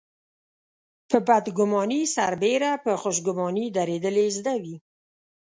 په بدګماني سربېره په خوشګماني درېدل يې زده وي.